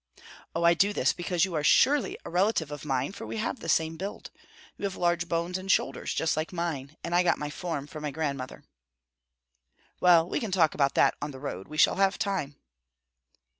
"Oh, I do this because you are surely a relative of mine, for we have the same build. You have large bones and shoulders, just like mine, and I got my form from my grandmother." "Well, we can talk about that on the road. We shall have time!"